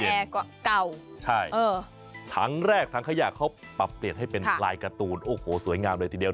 แอร์ก็เก่าใช่เออถังแรกถังขยะเขาปรับเปลี่ยนให้เป็นลายการ์ตูนโอ้โหสวยงามเลยทีเดียว